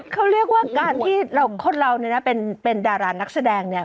เขาเรียกว่าการที่คนเราเนี่ยนะเป็นดารานักแสดงเนี่ย